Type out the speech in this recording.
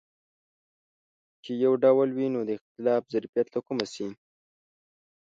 چې یو ډول وي نو د اختلاف ظرفیت له کومه شي.